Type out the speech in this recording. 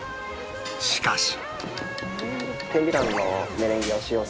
しかし